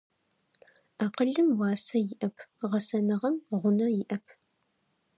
Акъылым уасэ иӏэп, гъэсэныгъэм гъунэ иӏэп.